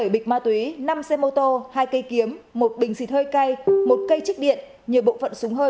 bảy bịch ma túy năm xe mô tô hai cây kiếm một bình xịt hơi cay một cây chích điện nhiều bộ phận súng hơi